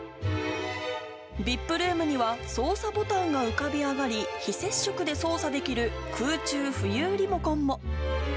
ＶＩＰルームには操作ボタンが浮かび上がり、非接触で操作できる空中浮遊リモコンも。